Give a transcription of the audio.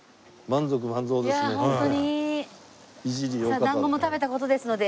さあ団子も食べた事ですので。